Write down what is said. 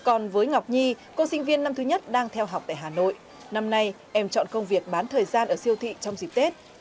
còn với ngọc nhi cô sinh viên năm thứ nhất đang theo học tại hà nội năm nay em chọn công việc bán thời gian ở siêu thị trong dịp tết